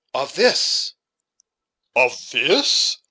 "Of this." "Of this!